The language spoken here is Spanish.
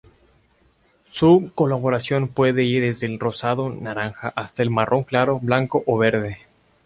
Su coloración puede ir desde el rosado-naranja hasta el marrón claro, blanco o verde.